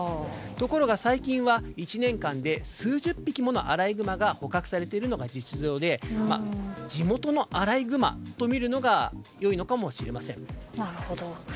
ところが最近は１年間で数十匹ものアライグマが捕獲されているのが実情で地元のアライグマとみるのがよいのかもしれません。